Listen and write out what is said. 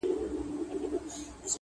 یوه ورځ له ناچارۍ ولاړى حاکم ته؛